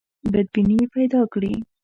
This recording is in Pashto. بدبیني پیدا کړي.